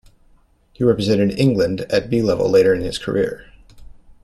He represented England at 'B' level later in his career.